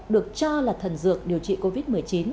được cho là thần dược điều trị covid một mươi chín